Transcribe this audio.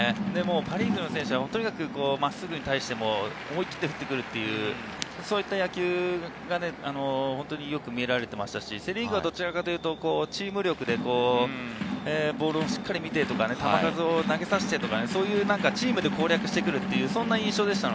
パ・リーグの選手は真っすぐに対しても思い切って振ってくるという、そういった野球がよく見られていましたし、セ・リーグはどちらかというとチーム力でボールをしっかり見て、球数を投げさせてというチームで攻略してくる印象でした。